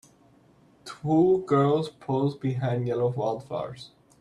Twho girls pose behind yellow wildflowers.